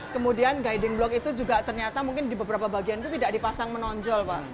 kemudian guiding block itu juga ternyata mungkin di beberapa bagian itu tidak dipasang menonjol pak